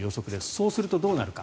そうすると、どうなるか。